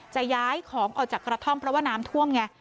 จะย้ายของออกจากกระท่อมเพราะว่าน้ำท่วมไง